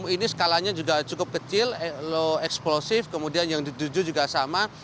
ini skalanya juga cukup kecil low explosive kemudian yang dituju juga sama